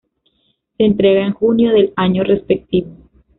Se entrega en junio del año respectivo.